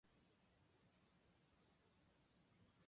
ねぇねぇ、知ってる？